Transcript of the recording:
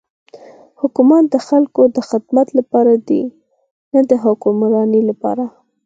حکومت د خلکو د خدمت لپاره دی نه د حکمرانی لپاره.